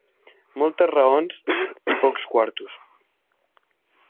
Moltes raons i pocs quartos.